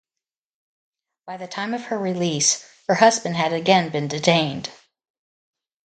By the time of her release her husband had again been detained.